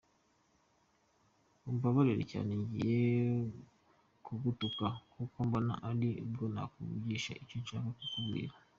umbabarire cyane ngiye kugutuka kuko mbona ari bwo nakumvisha icyo nshaka kukubwira.